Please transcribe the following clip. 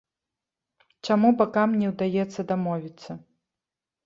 Чаму бакам не ўдаецца дамовіцца?